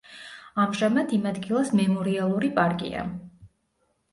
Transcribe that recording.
ამჟამად ამ ადგილას მემორიალური პარკია.